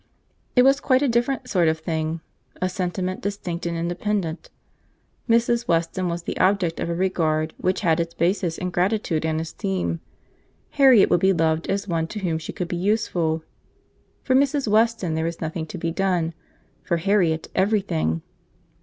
It was quite a different sort of thing, a sentiment distinct and independent. Mrs. Weston was the object of a regard which had its basis in gratitude and esteem. Harriet would be loved as one to whom she could be useful. For Mrs. Weston there was nothing to be done; for Harriet every thing.